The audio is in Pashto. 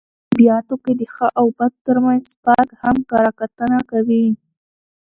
په اد بیاتو کښي د ښه او بد ترمنځ فرق هم کره کتنه کوي.